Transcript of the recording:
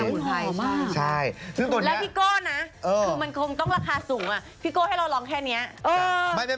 สมุนไพรใช่แล้วพี่โก้นะคือมันคงต้องราคาสูงอ่ะพี่โก้ให้เราลองแค่เนี้ย